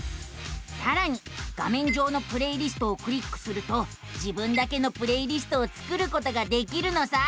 さらに画めん上の「プレイリスト」をクリックすると自分だけのプレイリストを作ることができるのさあ。